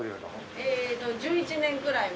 えーっと１１年ぐらい前。